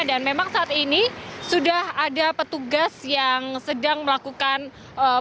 dan memang saat ini sudah ada petugas yang sedang melakukan pemberian